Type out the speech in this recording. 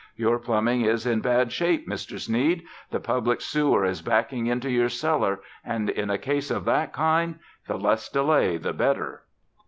Your plumbing is in bad shape, Mr. Sneed. The public sewer is backing into your cellar and in a case of that kind the less delay the better."